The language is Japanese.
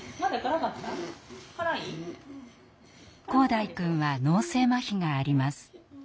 紘大くんは脳性まひがあります。